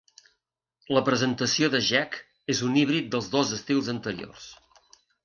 La presentació de Jech és un híbrid dels dos estils anteriors.